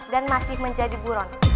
dan masih menjadi buron